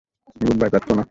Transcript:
Good bye, প্রার্থনা!